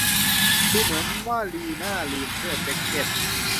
ดูเหมือนว่าลีน่าลืมเสื้อแจ๊คเก็ต